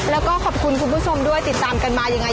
แล้วก็ขอบคุณคุณผู้ชมด้วยติดตามกันมายังไง